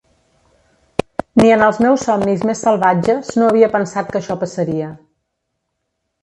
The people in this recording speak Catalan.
Ni en els meus somnis més salvatges no havia pensat que això passaria.